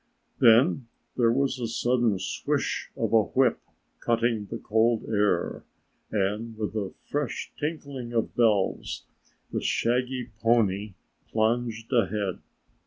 Then there was a sudden swish of a whip cutting the cold air and with a fresh tinkling of bells the shaggy pony plunged ahead.